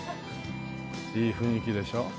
いい雰囲気でしょ？ねえ。